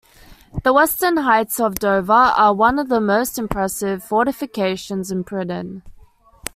The Western Heights of Dover are one of the most impressive fortifications in Britain.